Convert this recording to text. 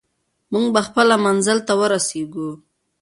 موږ به خپل منزل ته ورسېږو.